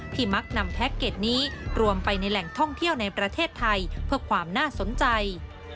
มักนำแพ็คเกจนี้รวมไปในแหล่งท่องเที่ยวในประเทศไทยเพื่อความน่าสนใจ